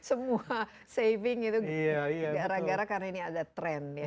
semua saving itu gara gara karena ini ada tren ya